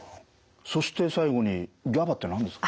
そして最後にＧＡＢＡって何です？